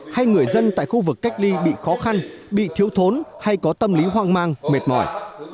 hay người dân tại khu vực cách ly bị khó khăn bị thiếu thốn hay có tâm lý hoang mang mệt mỏi